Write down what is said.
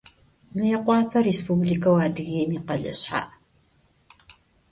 Mıêkhuape Rêspublikeu Adıgêim yikhele şsha'.